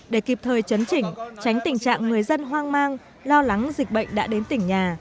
để kịp thời chấn chỉnh tránh tình trạng người dân hoang mang lo lắng dịch bệnh đã đến tỉnh nhà